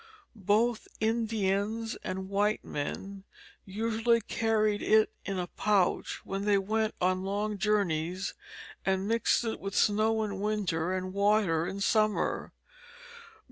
Both Indians and white men usually carried it in a pouch when they went on long journeys, and mixed it with snow in the winter and water in summer.